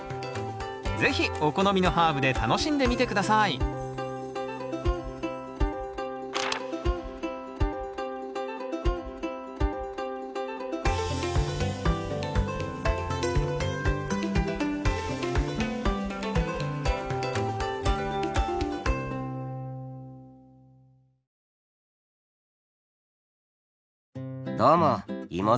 是非お好みのハーブで楽しんでみて下さいどうもイモヅルです。